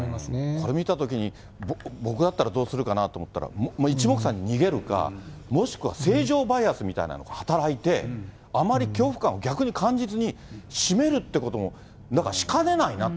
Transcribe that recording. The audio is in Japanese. これ見たときに、僕だったら、どうするかなと思ったら、一目散に逃げるか、もしくはせいじょうバイアスみたいなのが働いて、あまり恐怖感を逆に感じずに、しめるってこともなんかしかねないなと。